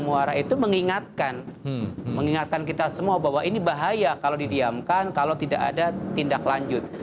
ya itu cara saja ini sebetulnya kejadian cipinang muara itu mengingatkan kita semua bahwa ini bahaya kalau didiamkan kalau tidak ada tindak lanjut